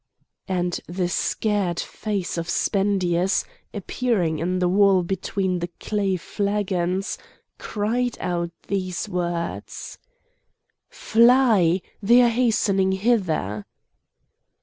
And the scared face of Spendius, appearing in the wall between the clay flagons, cried out these words: "Fly! they are hastening hither!"